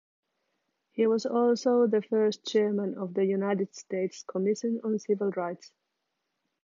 He was also the first chairman of the United States Commission on Civil Rights.